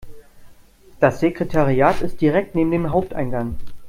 Das Sekretariat ist direkt neben dem Haupteingang.